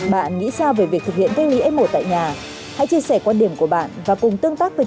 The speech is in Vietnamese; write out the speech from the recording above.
bạn nghĩ sao về việc thực hiện cây nghĩa f một tại nhà hãy chia sẻ quan điểm của bạn và cùng tương tác với